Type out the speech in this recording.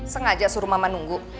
sengaja suruh mama nunggu